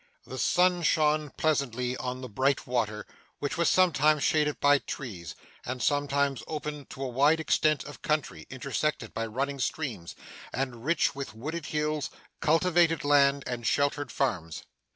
The sun shone pleasantly on the bright water, which was sometimes shaded by trees, and sometimes open to a wide extent of country, intersected by running streams, and rich with wooded hills, cultivated land, and sheltered farms.